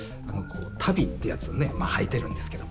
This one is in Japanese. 足袋ってやつをねはいてるんですけど。